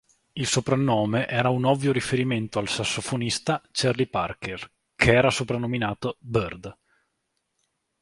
Il soprannome era un ovvio riferimento al sassofonista Charlie Parker, che era soprannominato "Bird.